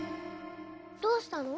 どうしたの？